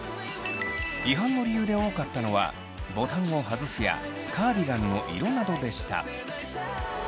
違反の理由で多かったのはボタンを外すやカーディガンの色などでした。